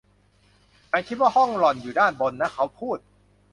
ฉันคิดว่าห้องหล่อนอยู่ด้านบนนะ เขาพูด